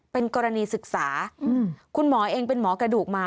เป็นกรณีศึกษาคุณหมอเองเป็นหมอกระดูกมา